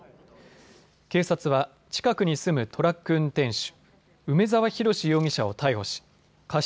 警察は近くに住むトラック運転手、梅澤洋容疑者を逮捕し過失